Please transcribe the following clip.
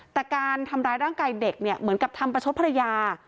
แต่การทำร้ายร่างกายเด็กเนี่ยเหมือนกับทำประชดภรรยา